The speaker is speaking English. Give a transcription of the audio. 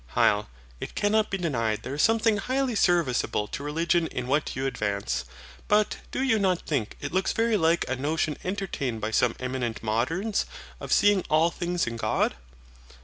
HYL. It cannot be denied there is something highly serviceable to religion in what you advance. But do you not think it looks very like a notion entertained by some eminent moderns, of SEEING ALL THINGS IN GOD?